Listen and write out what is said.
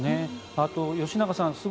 あと吉永さん